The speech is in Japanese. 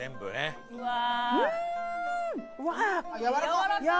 やわらかい！